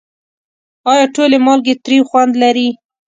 آیا ټولې مالګې تریو خوند لري؟